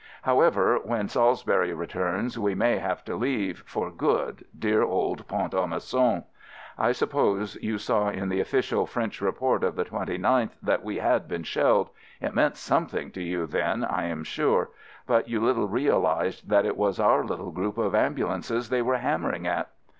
How ever, when Salisbury returns, we may have to leave, for good, dear old Pont a Mousson. I suppose you saw in the official French report of the 29th that we had been shelled — it meant something to you then, I am sure — but you little realized that it was our little group of ambulances they were hammering at.